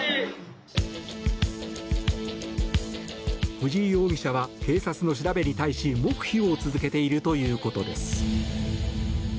藤井容疑者は警察の調べに対し黙秘を続けているということです。